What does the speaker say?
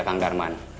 keja kang darman